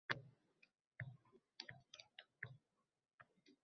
soʼngra kuchaya bordi. Nihoyat, u baland, oʼktam bir ohang kasb etib yangradi.